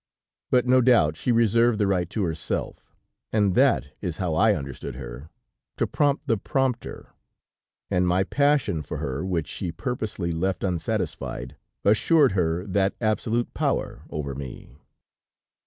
But no doubt she reserved the right to herself, and that is how I understood her, to prompt the prompter, and my passion for her, which she purposely left unsatisfied, assured her that absolute power over me.